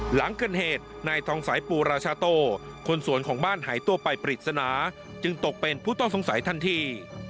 หลังเกิดเหตุนายทองสัยปูราชาโตคนสวนของบ้านหายตัวไปปริศนาจึงตกเป็นผู้ต้องสงสัยทันที